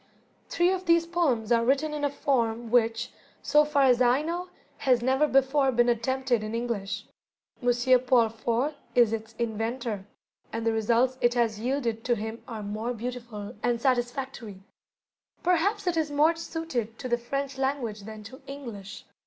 Three of these poems are written in a form which, so far as I know, has never before been attempted in English. M. Paul Fort is its inventor, and the results it has yielded to him are most beautiful and satisfactory. Perhaps it is more suited to the French language than to English.